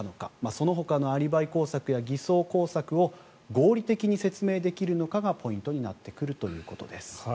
そのほかのアリバイ工作や偽装工作を合理的に説明できるのかがポイントになってくるということです。